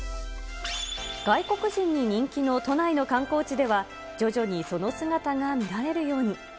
外国人に人気の都内の観光地では、徐々にその姿が見られるように。